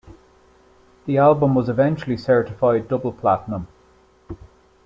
The album was eventually certified double platinum.